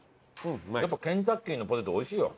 やっぱケンタッキーのポテト美味しいよ。